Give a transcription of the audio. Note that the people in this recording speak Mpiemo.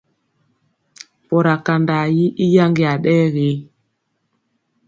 Mpɔra kandaa yi i yaŋgeya ɗɛ ge.